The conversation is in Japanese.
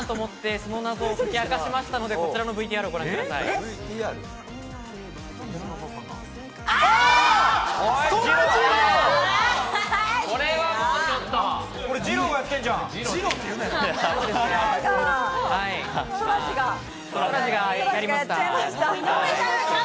その謎を解き明かしましたので、こちらのＶＴＲをあ、そらジロー。